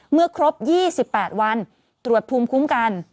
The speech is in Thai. เมื่อครบ๒๘วันตรวจภูมิคุ้มกัน